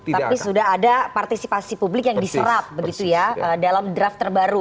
tapi sudah ada partisipasi publik yang diserap begitu ya dalam draft terbaru